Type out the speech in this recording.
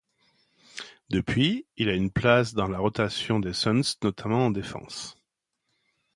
Depuis, il a une place dans la rotation des Suns notamment en défense.